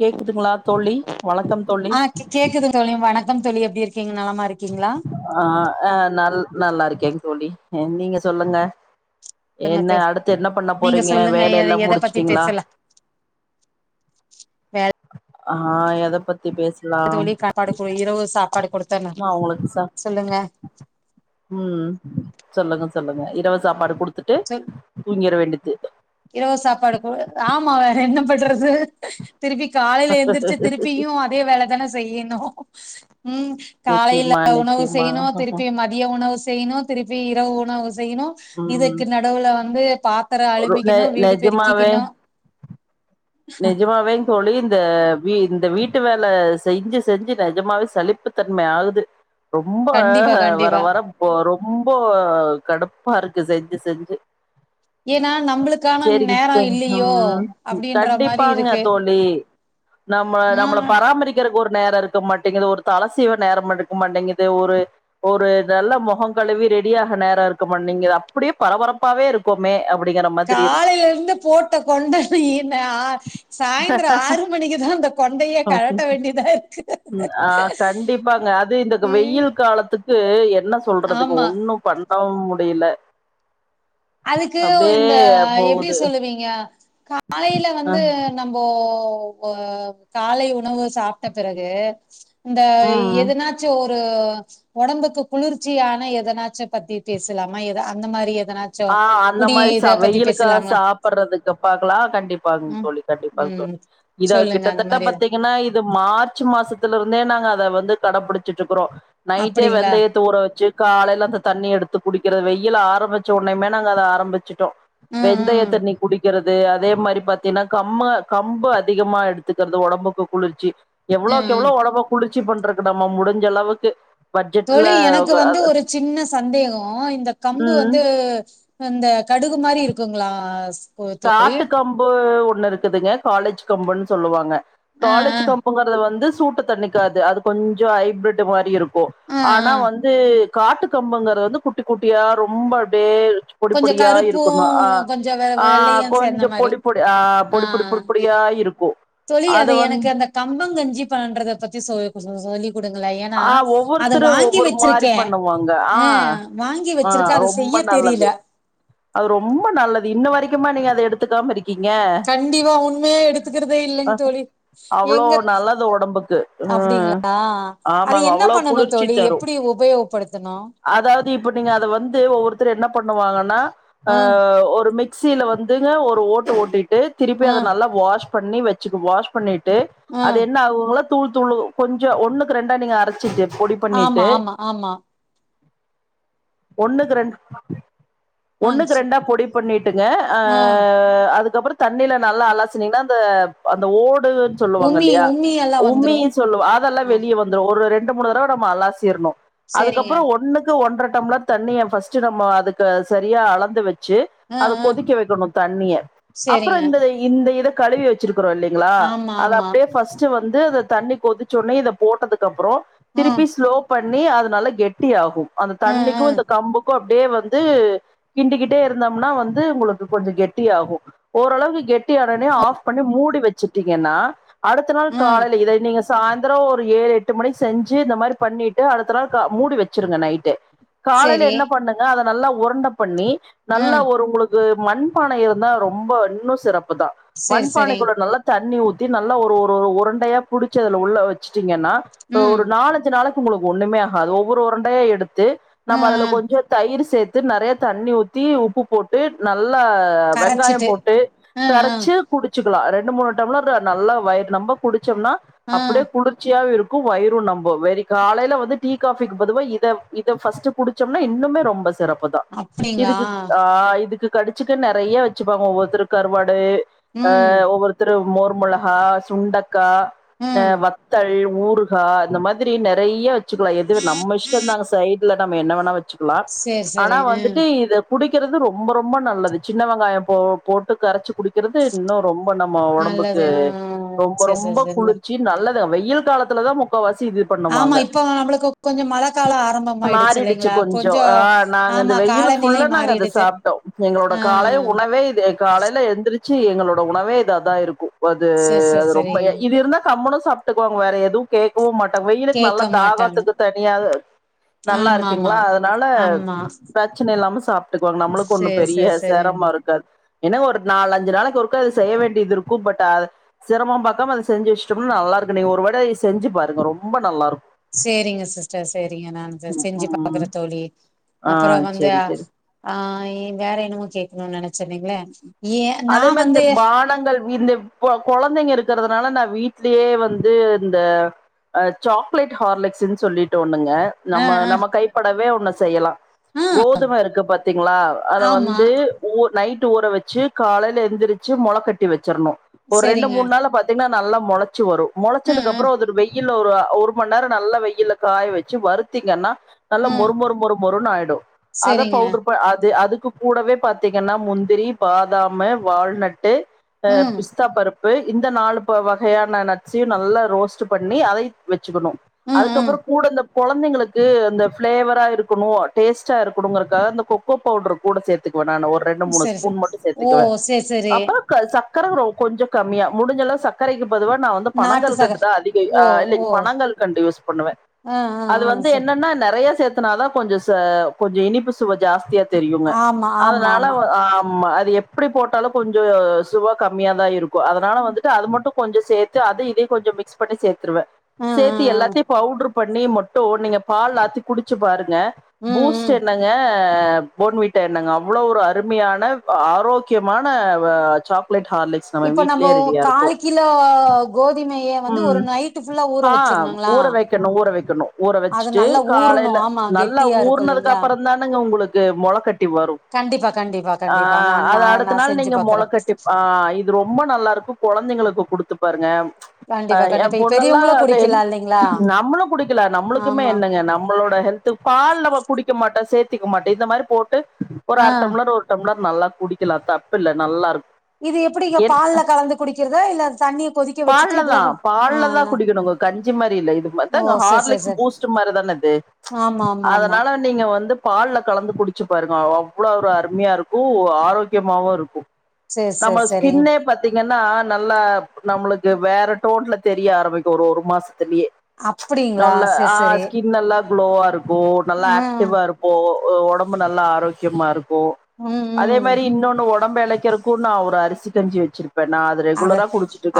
கேக்குதுங்ளா தோழி வணக்கம் தோழி ஆ கேக்குது தோழி வணக்கம் தோழி எப்டி இருக்கீங்க நலமா இருக்கீங்ளா ஆ அ நல் நல்லாருக்கேங் தோழி நீங்க சொல்லுங்க என்ன சொல்லுங்க அடுத்து என்ன பண்ண நீங்க போறீங்க சொல்லுங்க வேல எத எல்லா எத பத்தி முடிச்சுட்டீங்களா பேசலா வேல ஆ எத பத்தி பேஸ் அது வழி சாப்பாடு இரவு சாப்பாடு குடுத்தர்ணு நா உங்களுக்கு ச சொல்லுங்க ம் சொல்லுங்க சொல்லுங்க இரவு சாப்பாடு குடுத்துட்டு சொல் தூங்கிட வேண்டிது இரவு சாப்பாடு ஆமா வேற என்ன பண்றது திருப்பி காலையில எந்திரிச்சு திருப்பியும் அதே வேல தானே செய்யணு ம் காலையில நிச்சயமா உணவு நிச்சயமா செய்யணு திருப்பியு மத் மதிய உணவு செய்ணு திருப்பி இரவு உணவு செய்ணு ம் இதுக்கு நடுவுல வந்து பாத்தர அலம்பி ந நெஜமாவே நெஜமாவேங் தோழி இந்த வீ இந்த வீட்டு வேல செய்ஞ்சு செஞ்சு நெஜமாவே சலிப்பு தன்ம ஆகுது ரொம்ப கண்டிப்பா வர கண்டிப்பா வர இப்ப ரொம்ப கடுப்பா இருக்கு செஞ்சு செஞ்சு ஏன்னா நம்மளுக்கான செரி இப்போ நேரம் இல்லையோ ம் அப்படின்ற மாதிரி கண்டிப்பாங்க இருக்கு தோழி நம்ம நம்மள ஆஹ் பராமரிக்கிற க்கு ஒரு நேரம் இருக்க மாட்டேங்குது ஒரு தலசீவ நேரம் இருக்க மாட்டேங்குது ஒரு ஒரு நல்ல முகம் கழுவி ரெடியாக நேரம் இருக்கு மாட் நீங்க அப்படியே பரபரப்பாவே இருக் குமே அப்படிங்கிற மாதிரி இருக்கு இந்த கண் திருஷ்டி ஈன்னா சாய்ந்தரோ ஆறு மணிக்குதா அந்த கொண்டைய இருக்கு கழட்ட வேண்டிதா இருக்கு ம் ஆ கண்டிப்பாங்க அது இந்த து ஏ, வெயில் காலத்துக் கு என்ன சொல்றதுங்க ஆமா ஒண்ணும் பண்ணவு முடியல அதுக்கு அப்டியே இந்த எப்டி போகுது. சொல்லுவீங்க காலையில அ. வந்து நம்போ அ காலை உணவு சாப்ட்ட பிறகு இந்த ம். எதனாச்சு ஒரு ஒடம்புக்கு குளிர்ச்சியான எதனாச்ச பத்தி பேசலாமா எத அந்த மாரி எதனா ஆ அந்த மாரி ச வெயிலுக்கா சாப்பிறதுக்கு பாக்கலா கண்டிப்பாங் ம் தோழி கண்டிப்பாங் ம் தோழி இத சொல்லுங்க அந்த கிட்டத்தட்ட மாரி பாத்தீங் என்னா இது மார்ச் மாசத்துல இருந்தே நாங்க அத வந்து கடபுடிச்சிட்டு இருக்குறோ நைட்டே அப்டிங்களா வெந்தயத்த உற வச்சு காலையில அந்த தண்ணிய எடுத்து குடிக்கிற வெயில் ஆரம்பிச் சோ ஒன்னய மாரி நாங்க அத ஆரம்பச்சிட்டோ ம் ம் வெந்தய தண்ணி குடிக்கிற து அதே மாரி பாத்தீங்கன்னா கம்ம கம்பு அதிகமா எடுத்துக்குறது ஒடம்புக்கு குளிர்ச்சி ம் எவ்வளோவுக்கு ம் எவ்வளோ ஒடம்ப குளிர்ச்சி பண்றதுக் டம்ம முடிஞ்ச அளவுக்கு பட்ஜெட்ல தோழி எனக்கு வந்து ஒரு சின்ன சந்தேக இந்த கம்பு ம் வந்து அந்த கடுகு மாதிரி இருக்குங்ளா ஸ் இப்ப தோழி ஆட்டு கம்பு ஒண்ணு இருக்குதுங்க காலேஜ் கம்புன்னு சொல்லுவாங்க ஆ காலேஜ் ஆ கம்புங்குறது வந்து சூட்ட தன்னிக்காது அது கொஞ்ச ஹைபிரிட்டு் மாரி இருக்கு போ ஆ ஆனா ஆ வந்து காட்டு கம்புங்குறது வந்து குட்டி குட்டியா ரொம்ப அப்டியே பொடிப் கொஞ்சோ பொடியா கருப்பு இருக்கணு ஆ கொஞ்சோ வெ ஆ வெள்ளையு சேந்த கொஞ்சொ மாரி பொடி பொடி ஆ பொடி பொடி பொடி பொடியா இருக்கு தோழி அத எனக்கு அந்த கம்பங் கஞ்சி பன்றத பத்தி சொ சொ சொல்லி குடுங்களே ஏனா ஆ அத ஒவ்வொருத்தரு வாங்கி ஒவ்வொரு மாரி வச்சுருக்கே பண்ணுவாங்க ஆ அ வாங்கி ஆ வச்சிருக்கே அத ரொம்ப செய்ய தெரில நல்லது அது ரொம்ப நல்லது இன்ன வரைக்குமா நீங்க அத எடுத்துக்காம இருக் கண்டிப்பா உண்மையா எடுத்துக்குறதே இல்லங்க தோழி அவ்ளோ எங்க நல்லது ஒடம்புக்கு ம் அப்டிங்களா அது ஆமாங்க என்ன அவ்ளோ பண்ணணு குளிர்ச்சி தோழி தரு எப்டி உபயோகப்படுத்தணு அதாவது இப்ப நீங்க அத வந்து ஒவ்வொருத்தர் என்ன பண்ணுவாங்கன்னா அ ஆ அ ஒரு மிக்சில வந்துங்க ஒரு ஓட்டு ஓட்டிட்டு திருப்பி ஆ அத நல்லா வாஷ் பண்ணி வச்சிக்கு வாஷ் பண்ணிட்டு ஆ அது என்ன ஆகுங்களா தூள் தூளு கொஞ்சோ ஒண்ணுக்கு ரெண்டா நீங்க அரச் [unintelligible] பொடிப் ஆமா ஆமா ஆமா ஒன்னுக்கு ரெண்டு ஆ ஒன்னுக்கு ரெண்டா பொடி பண்ணிட்டுங்க அ ஆ அதுக்கப்றோ தண்ணில நல்லா அலசுனீங்னா அந்த அந்த ஓடு உமி சொல்லுவாங்கல்லையா உமி எல்லா உம்மி வந்துரு சொல்லுவ அதெல்லா ஆ வெளியே வ இந்த ஒரு ரெண்டு மூணு தடவ நம்ம அல்லாசிர்ணு சேரிங்க அதுக்கப்றோ ஒன்னுக் க்கு ஒன்ற டம்ளர் தண்ணிய ஃபஸ்ட்டு நம்ம அதுக்கு சரியா அளந்து வச் வச்சு ஆ அத ஆ கொதிக்க வைக்கணு தண்ணிய அப்றோ சேரிங்க இந்த இந்த இத கழுவி வச்சுருக்கிறோ இல்ல ங்களா ஆமா அத ஆமா அப்டியே ஃபர்ஸ்ட்டு வந்து அத தண்ணி கொதுச்சோனே இத போட்டதுக்கு அப்றோ ம் திருப்பி ஸ்லோ பண்ணி அது நல்லா கெட்டி ஆகு அந்த ம் தண்ணிக்கு ம் இந்த கம்புக்கு அப்டியே வந்து கிண்டிக்கிட்டே இருந்தோம்னா வந்து உங்களுக்கு கொஞ்சொ கெட்டி ஆகு ஓரளவுக்கு கெட்டியானோன ஆஃப் பண்ணி மூடி வச்சுட்டீங்கன்னா அடுத்த நாள் ம் காலேல இத நீங்க சாய்ந்தரோ ஒரு ஏழு எட்டு மணிக்கு செஞ்சு இந்த மாரி பண்ணிட்டு அடுத்த நாள் கா மூடி வச்சுருங்க நைட்டே காலைல செரி என்ன பண்ணுங்க அத நல்லா ஒரண்ட பண்ணி நல்லா ம் ஒரு உங்குளுக்கு மண்பான இருந்தா ரொம்ப இன்னு சிறப்புதா செரி செரி மண்பானைக்குள்ள நல்லா தண்ணி ஊத்தி நல்லா ஒரு ஒரு ஒரு உருண்டையா புடிச்சு அதுல உள்ள வச்சுட்டீங்கன்னா ஊப்ப ம் ஒரு நாலஞ்சு நாளைக்கு உங்களுக்கு ஒண்ணுமே ஆகாது ஒவ்வொரு உருண்டையா எடுத்து நம்ம அதுல ம் கொஞ்சோ தயிரு சேத்து நெறையா தண்ணி ஊத்தி உப்பு போட்டு நல்லா அ வெங்காய கரச்சிட்டு போட்டு ம் ம் கரச்சு குடுச்சுக்கலா ரெண்டு மூணு டம்ளர் நல்லா வயிறு நம்ப குடுச்சோம்னா அப்டியே ம் குளிர்ச்சியாவு இருக்கு வயிறு நம்பு வெரி காலைல வந்து டீ காஃபிக்கு பதுவா இத இத ஃபஸ்ட்டு புடிச்சோம்னா இன்னுமே ரொம்ப சிறப்பு அப்டிங்களா இதுக்கு அ இதுக்கு கடுச்சுக்க நெறையா வச்சுப்பாங்க ஒவ்வொருத்தரு கருவாடு அ ம் ஒவ்வொருத்தரு மோர் மொளகா சுண்டக்கா அ ம் வத்த த்தல் ஊறுகா இந்த மாதிரி நறையா வச்சுக்கலா எது நம்ம இஷ்டந்தாங்க சைத் இதுல நம்ம என்ன வேணா வச்சுக்கலா செரி அனா செரி ம் வந்துட்டு இத புடிக்கிறது ரொம்ப ரொம்ப நல்லது சின்ன வெங்காயோ போ போட்டு கரச்சு குடி க்கிறது இன்னு ரொம்ப நம்ம நல்லது ஒடம்புக்கு ஆ ரொம்ப செரி செரி ரொம்ப செரிங்க குளிர்ச்சி சி நல்லது வெயில் காலத்துல தா முக்காவாசி இது ஆமா பண்ணுவாங்க இப்ப நம்முளுக்கு கொஞ்சொ மழக் காலோ ஆரம்பமாயிடுச்சு மாறிடுச்சு இல்லேங்களா கொஞ்சோ கொஞ்சொ ஆ நாங்க இந்த ஆமா வெயிலு காலநிலை ஃபுல்லா நாங்க அத மாறிடுது சாப்ட்டோ எங்களோட ஆ காலை உணவே இது காலேல எந்துருச்சு எங்களோட உணவே இதாதா இருக்கு அது செரி செரி அது ரொம்ப செரி இது இருந்தா கம்முனு சாப்ட்டுக்குவாங்க வேற எது கேக்குவு மாட்டாங்க வெயிலுக்கு கேக்க நல்லா தாகா மாட்டாங்க க்கு தனியா ஆமா ஆமா நல்லாருக்குங்களா அதனால ஆமா பிரச்சன இல்லாம சாப் ட்டுக்குவாங்க நம்முளுக்கு ஒன்னு செரி பெரிய செரி செரி செரம்மொ இருக்காது என்ன ஒரு நாலு அஞ்சு நாளைக்கு ஒர்க்கா அது செய்ய வேண்டியது இருக்கு பட் அது சிரமம் பாக்காம அத செஞ்சு வச்சுட்டோம்னா நல்லா இருக்கு நீங்க ஒரு வேட செஞ்சு பாருங்க ரொம்ப நல்லா இருக்கு செரிங்க சிஸ்டர் செரிங்க நா ம் செஞ்சு பாக்குற ம் தோழி ஆ அப்புறோ வந்து சேரி சேரி ஆ எ வேற என்னமோ கேட்கணும்னு நெனைச்சந்தீங்களே ஏ நா வந்து பாடங்கள் மீந்து கொ கொழந்தைங்க இருக்கிறதுனால நா வீட்லயே வந்து இந்த அ சாக்லேட் ஹார்லிக்ஸ்ன்னு சொல்லிட்டு ஒண்ணுங்க ஆ நம்ம ஆ நம்ம கைபடவே ஒண்ணு செய்யலா ம் கோதும இருக்கு பாத்தீங்களா அத ஆமா வந்து ஓர் நைட் ட்டு ஊற வச்சு காலையையில எந்திரிச்சு மொள கட்டி வச்சிறணு ஒரு ரெண்டு சேரிங்க மூணு நாள்ள பாத் த்தீங்னா நல்லா மொளச்சு வரு ம் மொளச்சதுக்கு ம் அப்புறோ அதோட வெயிட்டு வெயில்ல ஒரு ஒரு மணி நேரோ நல்ல வெயில்ல காய வச்சு வருத்தீங்கன்னா நல்லா ம் மொறு மொறு மொறு மொறுன்னாயிடு அத சேரிங்க பௌடர் அது அதுக்கு கூடவே பாத்திங்கன்னா முந்த முந்திரி பாதாமு வால்நட்டு அ ம் பிஸ்தா பருப்பு ரை இந்த நாலு வகையான நட்ஸையு நல்லா ரோஸ்ட் பண்ணி அதை வச்சுக்கணு ம் ம் அதுக்கப்புறோ கூடந்த கொழந்தைங்களுக்கு அந்த ஃபிளேவரா இருக்கணு டேஸ்டா இருக்கணுங்கறதுக்காக அந்த கொக்கோ பவுடர் கூட சேத்துக்குவே நானு ஒரு ரெண்டு மூணு சேரி சேரி ஸ்பூன் மட்டு ஓ சேத்துக்குவே சேரி சேரி அப்ப க சக்கர ர கொஞ்சோ கம்மியா முடிஞ்சளவு சக் சக்கரைக்கு பொதுவா நா வந்து நாட்டு சக பணங்கல்கண்டு தா அதிகோ ஓ அ ஓ இல்லைங் பணங்கல்கண்டு யூஸ் பண்ணுவே ஆ ஆ அது ஆ வந்து சேரி என்னன்னா நறைய சேர்த்தனால கொஞ்ச ச கொஞ்சொ இனிப்பு சுவ ஜாஸ்தியா இருக் தெரியுங்க ஆமா ஆமா அதனால ஆமா வ ஆ அது எப்டி போட்டாலு கொஞ்ச சுவா கம்மியா தா இருக்கு அதனால வந்துட்டு அது மட்டு கொஞ்ச சேத்து அத இதையு கொஞ்ச மிக்ஸ் பண்ணி சேர்த்துருவே ம் சேர்த்து ம் எல்லாத்தையு பவுடர் பண்ணி மட்டு நீங்க பால்லாத்தி குடிச்சு பாருங்க ம் ம் பூஸ்ட் ம் என்னங்க அ போன் வீட்டா என்னங்க அவ்வளவு ஒரு அருமையான ஆரோக்கியமான வ சாக்லேட் ஹார்லிக்ஸ் நம்ம இப்போ நமோ வீட்லயே ரெடியா கால் இருக்கும். கிலோ கோதுமைய வந்து ஒரு ம் நைட்டு ஃபுல்லா ஊற ஆ வச்சிருணுங்களா ஊற வைக்கணு ஊற வைக்கணு ஊற வச் அது வச்சட்டு நல்லா ஊறணு காலையில ஆமா நல்லா கெட்டியா இருக்கு ஊர்னதுக்கு இல்லைங்களா அப்றனுதானேங்க உங்களுக்கு மொள கட்டி வரு கண்டிப்பா கண்டிப்பா அ கண்டிப்பா நா நா அது நா அடுத்த நாள் செஞ்சு நீங்க மொள பாக்குறே கட்டிப் ஆ இத் இது ரொம்ப நல்லா இருக்கு கொழந்தைங்களுக்கு குடுத்து பாருங்க அ கண்டிப்பா எ கண்டிப்பா இ பொண்ணுல்லா பெரியவங்களு ஹெல்த் குடிக்கலா இல்லைங்களா நம்மளு குடிக்கலா நம்மளுக்குமே ஆமா என்னங்க நம்மளோட ஹெல்த் பால் நம்ம குடிக்க மாட்டோ சேர்த்திக்க மாட்டோ இந்த மாதிரி போட்டு ஒரு ஆ அர டம்ளர் ஒர் டம்ளர் நல்லா குடிக்கலா தப்பு இல்ல நல்லா இருக்கு இது எப்டிங்க என் பால்ல கலந்து குடிக்கிறதா இல்ல தண்ணிய கொதிக்க வச்சுட்டு இதல பண் ஆ பால்லதா அல்ல குடிக்கணும்ங்க கஞ்சி மாரி இல்ல இது ஓ அதா சரி சரி ஹார்லிக்ஸ் சரி பூஸ்ட் மாரிதான இது ஆமா [inaudible] அதனால நீங்க வந்து பால்ல கலந்து குடிச்சி பாருங்க அவ்ளோ ஒரு அருமையாருக்கு ஆரோக்கியமாவுருக்கு சரி சரி நம்ம சரிங்க ஸ்கின்னே பாத்த பாத்தீங்கன்னா நல்லா நம்ளுக்கு வேற டோன்ல தெரிய ஆரம்பிக்கு ஒரு ஒரு மாசத்துலயே அப்படிங்களா நல்ல சரி ஆ சரி ஸ்கினெல்லா நல்லா க்ளோவாருக்கு நல்லா ம் ஆக்டிவா இப்போ உடம்பு நல்லா ஆரோக்கியமாருக்கு ம் அதே அதே ம் மாரி இன்னொன்னு உடம்பிழைக்கருக்கு நா ஒரு அரிசி கஞ்சி வச்சிருக் கே நா அது அத ரெகுலரா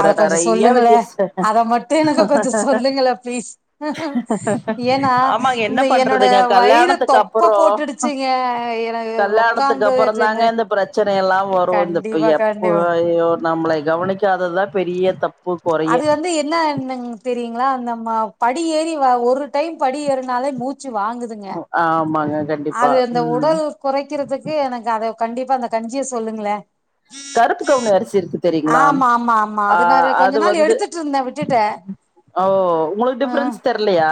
அத கொஞ்சோ நெறைய வி சொல்லுங்களே த்யாஷோ அத மட்டு எனக்கு கொஞ்சோ அப் சொல்லுங்களே ப்ளீஸ் ஏன்னா ஆமா என்ன இந்த என்னோட பண்றதுங்க வயிறு தொப்ப கல்யாணத்துக்கப்புறோ போட்டுடுச்சுங்க எனக்கு உக்காந்து கல்யாணத்துக்கப்புறோ சேந்து தாங்க இந்த பிரச்சன எல்லா வரு இந்த கண்டிப்பா எப்ப கண்டிப்பா ஐயயோ நம்மள கவனிக்காதுதா பெரிய தப்பு கொறைய அது வந்து என்ன இன்னனு தெரியுங்களா நம்ம படி ஏறி ஒரு டைம் படி ஏறனாலே மூச்சு வாங்குதுங்க ஆமாங்க கண்டிப்பா ம் கொறைக்கிறதுக்கு எனக்கு அத கண்டிப்பா அந்த கஞ்சிய சொல்லுங்களே கருத்து கவுனி அரிசிருக்கு தெரியுங்களா ஆமா ஆமா ஆமா ஆ அது நா கொஞ்ச அது நாள் வந்து எடுத்துட்டு இருந்தே விட்டுட்டே ஓ உங்களுக்கு ஆ டிஃரென்ஸ் தெர்லயா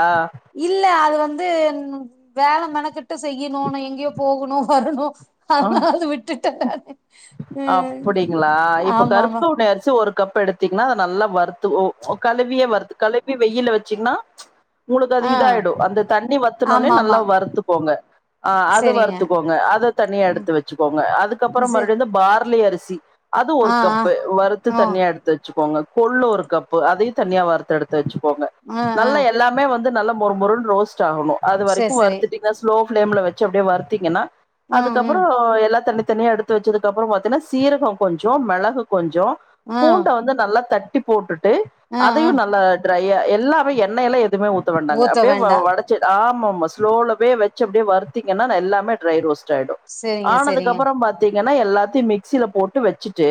இல்ல அது வந்து இன்னு வேல மெனக்கிட்ட செய்யணு எங்கேயு போகணு வரணு ஆ அது விட்டுட்டே நானு ம் அப்டிங்களா இப்ப ஆமா கருப்பு ஆமா கவுனி அரிசி ஒரு கப் எடுத்து இப்ப பாத்தீங்கின்னா அத நல்லா வருத்து ஓ கழுவியே வருத்து கழுவி வெயில்ல வச்சீங்கன்னா உங்களுக்கு அது ஆ இதாய்டு அந்த தண்ணி வத்துனோனே ஆமா நல்லா ஆமா வறுத்துக்கோங்க ஆ அத செரிங்க வறுத்துக்கோங்க அத தனியா ம் எடுத்து வச்சுக்கோங்க அதுக்கப்புறம் செரி மறுபடி இந்த பார்லி அரிசி அது ஒரு ஆ ஆ கப்பு வறுத்து ஓ தனியா எடுத்து வச்சிக்கோங்க கொள்ளு ஒரு கப்பு அதயு தனியா வருத்து எடுத்து வச்சுக்கோங்க ஆ ஆ நல்ல எல் எல்லாமே வந்து நல்லா மொரு மொரு ரோஸ்ட் ஆகணு அது செரி வரைக்கு செரி வருத்துட்டு ஸ்லோ ப்ளோம்ல வச்சு அப்டியே வறுத்தீங்கன்னா ம் ம் அதுக்கப்றோ எல்லா தனித்தனியா எடுத்து வச்சது அப்புறோ பாத்தீங்கன்னா சீரகோ கொஞ்சோ மெளகு கொஞ்சோ ஆ பூண்ட வந்து நல்லா தட்டி போட்டுட்டு ஆ ஆ அதயு நல்லா ட்ரையா எல்லாமே எண்ணெய் எல்லா எதுவுமே ஊத்த வேண்டாங்க அப்டியே வடச் ஆமா ஆமா ஸ்லோலவே வச்சு அப்டியே வறுத்தீங்கன்னா எல்லாமே ட்ரை ரோஸ்ட் ஆயிடு செரிங்க செரிங்க ஆனதுக்கப்றோ பாத்த னா எல்லாத்தயு மிக்சில போட்டு வச்சுட்டு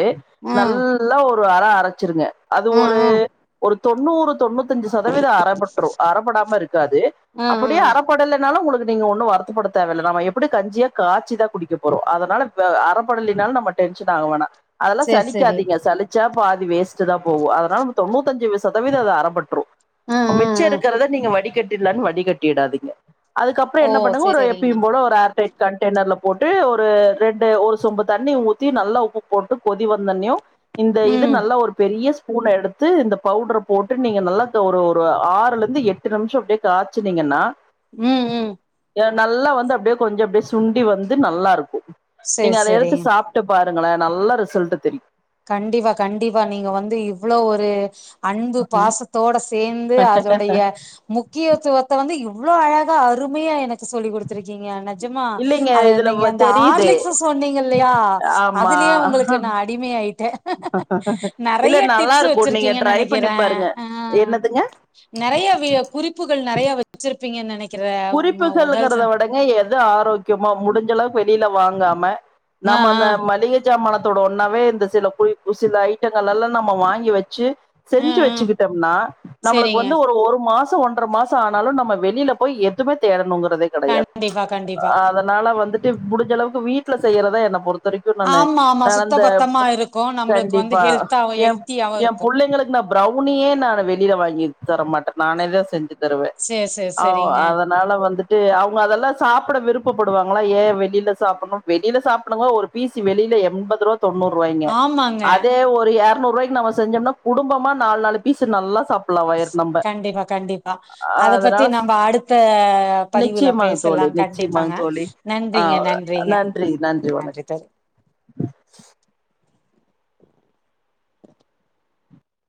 ம் நல்லா ஒரு அர அரச்சிருங்க அது ம் ஒரு ம் ஒரு தொண்ணூறு தொண்ணூத் அஞ்சு சதவீதம் அரப்பட்று அரப்படாமருக்காது ம் அப்படியே ம் அரப் ரபாடனாலு உங்களுக்கு நீங்க ஒன்னு வருத்தப்பட தேவல்ல நம எப்டியு கஞ்சியா காச்சி தா குடிக்க போறோ அதனால ப அரப் லா போடலினாலு நம்ம டென்ஷன் ஆக வேணா அதெல்லா செரி செரி சலிக்காதீங்க சலிச் சா பாதி வேஸ்டு தா போகு அதனால தொண்ணூத்தஞ்சு சதவீதோ அத அரப்பட்று ம் ம் மிச்சோ ம் இருக்கிறத வடி கட்டிலான்னு வடிகட்டிடாதீங்க அதுக்கப்றோ ஓ என்ன பண்ணுங்க ஒரு செரிங்க எப்பயும் போல ஒரு ஏர்டைட் கண்டெய்னனர்ல போட்டு ஒரு ரெண்டு ஒரு செம்பு தண்ணி ஊத்தி நல்லா உப்பு போட்டு கொதி வந்தனயு இந்த இது ம் நல்லா ஒரு பெரிய ஸ்பூன எடுத்து இந்த பவுடர் போட்டு நீங்க நல்லா ஒரு ஒரு ஆறுலருந்து எட்டு நிமிஷோ அப்டியே தாட்சினீங்கன்னா ம் ம் நல்லா வந்து அப்டியே கொஞ்சோ அப்டியே சுண்டி வந்து நல்ல இருக்கு செரி நீங்க அத எடுத்து செரிங்க சாப்ட்டு பாருங்களே நல்ல ரிசல்டு தெரியு கண்டிப்பா கண்டிப்பா நீங்க வந்து இவ்ளோ ஒரு அன்பு பாசத்தோட சேந்து அதோடைய மு முக்கியத்துவத்த வந்து இவ்ளோ அழகா அருமையா எனக்கு சொல்லி கொடுத்ததுருக்கீங்க நிஜாம்மா இல்லைங்க அத இதுல நீங்க அந்த தெரியுது ஆர்லிக்ஸ் சொன்னீங்க இல்லையா ஆமா அதுலயே ஆ ஒங்களுக்கு நா அ அடிமையாயிட்டே இல்ல நெறய்ய நல்லா டிப்ஸ்ஸு இருக்கும் நீங்க வெச்சுருக்கீங்கன் ட்ரை பண்ணி நெனக்குறே பாருங்க ஆ என்னதுங்க நெறய குறிப்புகள் நெறய வச்சுருப்பீங்கன் நெனக்குற உடல் குறிப்புகள்ங்கிறத சம்ப [unintelligible] எது ஆரோக்கியமா முடிஞ்சளவு வெளியில வாங்காம ஆ ஆ நம்ம அந்த மளிகை சாமானத்தோட ஒன்னாவே இந்த சில கு சில ஐட்டங்கள் எல்லா நம்ம வாங்கி வச்சு ஆ செஞ்சு ஆ வச்சுக்கிட்டோம்னா நம்மளுக்கு செரிங்க வந்து ஒரு ஒரு மாச சோ ஒன்ற மாசோ ஆனாலு நம்ம வெளியில போய் எதுவுமே தேடணுங்கறதே கெடயாது கண்டிப்பா கண்டிப்பா அதனால வந்துட்டு முடிஞ்ச அளவுக்கு வீட்ல செய்யுறதா என்ன பொறுத்து வரைக்கு நானு ஆமா ஆமா நா சுத்த அந்த பத்தமா இருக்கு நம்மளுக்கு வந்து கண்டிப்பா ஹெல்த்தாவு எ ஹெல்த்தியாவு எ இருக்கு புள்ளைங்களுக்கு நா பிரௌனியே நா வெளியில வாங்கி தரமாட்டே நானே தா செஞ்சு தருவே சேரி சேரி ஔ அத சேரிங்க அதனால வந்துட்டு அவுங்க அதெல்லா சாப்ட விருப்பப்படுவாங்ளா ஏ வெளியில சாப்டணு வெளியில சாப்டுங்க ஒரு பீஸ் வெளியில எம்பதுருவா தொண்ணூற்வாய்ங்க ஆமாங்க அதே ஒரு எர்நூற்வாய்க்கு நம்ம செஞ்சம்னா குடும்பமா நாலு நாலு பீஸ் நல்லா சாப்ப கண்டிப்பா கண்டிப்பா அத பத்தி அதனால நம்ப அடுத்த பதிவுல நிச்சயமாங்க பேசல்லா தோழி நிச்சயமாங்க கட்டிப்பாங்க தோழி ஆ நன்றிங்க நன்றிங்க நன்றி வணக் நன்றி தோழி